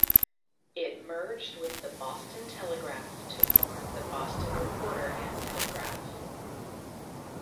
It merged with the "Boston Telegraph" to form the "Boston Recorder and Telegraph".